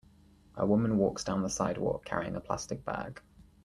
A woman walks down the sidewalk carrying a plastic bag.